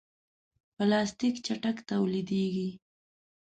پلاستيک چټک تولیدېږي.